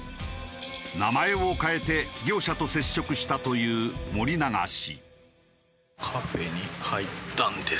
名前を変えて業者と接触したという森永氏。